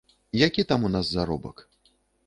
Які там у нас заробак.